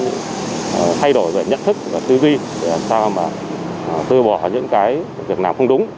cháu đã thay đổi nhận thức và tư duy để làm sao tư bỏ những việc nào không đúng